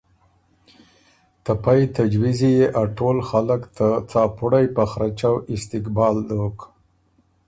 ته پئ تجویزي يې ا ټول خلق ته څاپُړئ په خرچؤ استقبال دوک